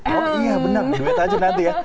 oh iya benar duit aja nanti ya